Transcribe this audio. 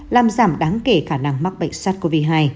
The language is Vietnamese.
làm giảm đáng kể khả năng mắc bệnh sars cov hai